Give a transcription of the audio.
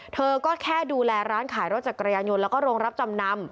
เธอก็แค่ดูแลร้านขายรถจักรยานยนต์แล้วก็โรงรับจำนำ